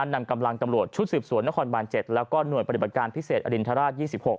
นำกำลังตำรวจชุดสืบสวนนครบาน๗แล้วก็หน่วยปฏิบัติการพิเศษอรินทราช๒๖